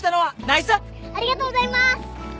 ありがとうございます。